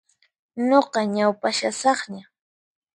Nuqa ñaupashasaqña.